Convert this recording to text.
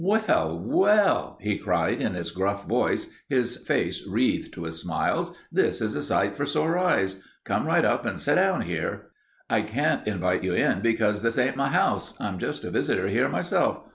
"Well, well," he cried in his gruff voice, his face wreathed with smiles, "this is a sight for sore eyes. Come right up and set down here. I can't invite you in because this ain't my house. I'm just a visitor here myself.